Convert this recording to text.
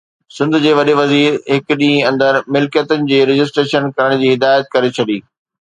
سنڌ جي وڏي وزير هڪ ڏينهن اندر ملڪيتن جي رجسٽريشن ڪرڻ جي هدايت ڪري ڇڏي